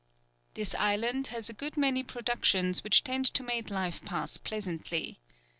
This island has a good many productions which tend to make life pass pleasantly.